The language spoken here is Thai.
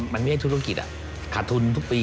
ก็คือคุณอันนบสิงต์โตทองนะครับ